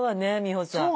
美穂さん。